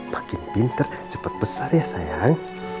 makin pintar cepet besar ya sayang